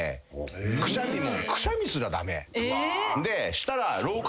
したら。